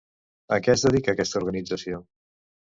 A què es dedica aquesta organització?